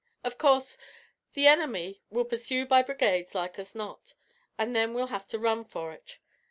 Av course the enemy will pursue by brigades like as not, an' then we'll have to run for ut.